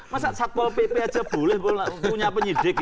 masa satpol pp aja boleh punya penyidik